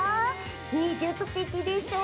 芸術的でしょ？